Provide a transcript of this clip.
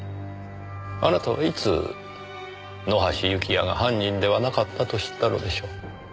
あなたはいつ野橋幸也が犯人ではなかったと知ったのでしょう。